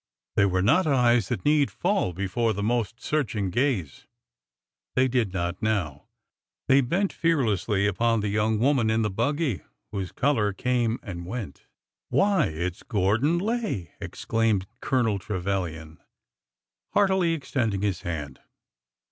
They were not eyes that need fall before the most searching gaze. They did not now. They bent fearlessly upon the young woman in the buggy, whose color came and went. '' Why, it 's Gordon Lay !" exclaimed Colonel Trevilian, heartily, extending his hand.